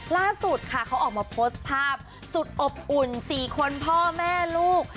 ล่าสุดค่ะเขาออกมาโพสต์ภาพสุดอบอุ่น๔คนพ่อแม่ลูก